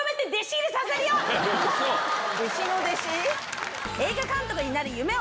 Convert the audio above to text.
弟子の弟子⁉